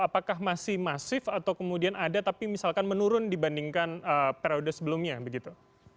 apakah masih masif atau kemudian ada tapi misalkan menurun dibandingkan periode sebelumnya begitu